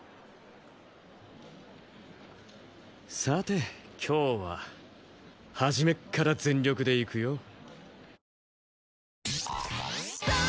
さて今日は初めっから全力でいくよ。